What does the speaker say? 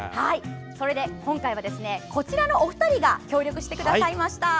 今回はこちらのお二人が協力してくださいました。